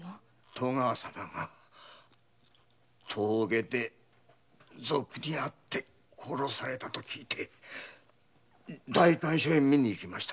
戸川様が峠で賊に遭って殺されたと聞いて代官所へ見に行きました。